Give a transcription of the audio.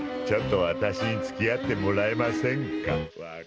ちょっと私に付き合ってもらえませんか。